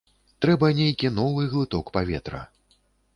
Трэба нейкі новы глыток паветра.